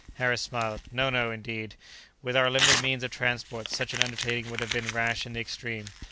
Harris smiled. "No, no, indeed. With our limited means of transport such an undertaking would have been rash in the extreme.